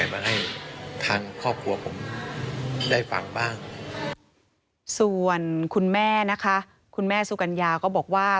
มาให้ทางครอบครัวผมได้ฟังบ้างส่วนคุณแม่นะคะคุณแม่สุกัญญาก็บอกว่า